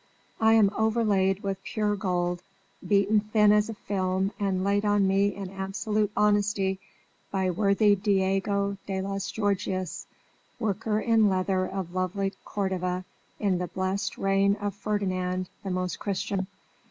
I am overlaid with pure gold beaten thin as a film and laid on me in absolute honesty by worthy Diego de las Gorgias, worker in leather of lovely Cordova in the blessed reign of Ferdinand the Most Christian.